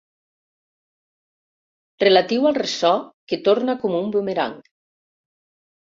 Relatiu al ressò que torna com un bumerang.